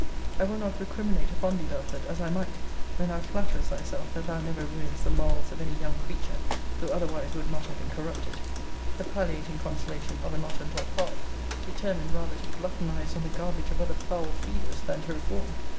I will not recriminate upon thee, Belford, as I might, when thou flatterest thyself that thou never ruinedst the morals of any young creature, who otherwise would not have been corrupted the palliating consolation of an Hottentot heart, determined rather to gluttonize on the garbage of other foul feeders than to reform.